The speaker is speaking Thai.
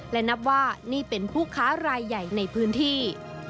และนับว่านี่เป็นผู้ค้ารายใหญ่ในพื้นที่